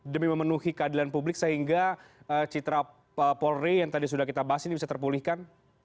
demi memenuhi keadilan publik sehingga citra polri yang tadi sudah kita bahas ini bisa terpulihkan